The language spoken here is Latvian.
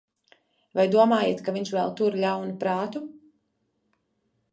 Vai domājat, ka viņš vēl tur ļaunu prātu?